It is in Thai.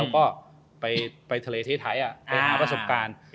ก็ไปทะเลที่ไทยไปหาประสบการณ์